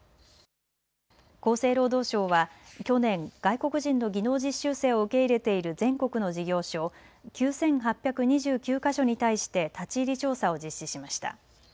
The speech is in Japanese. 厚生労働省は去年、外国人の技能実習生を受け入れている全国の事業所９８２９か所に対して立ち入り調査を実施しました。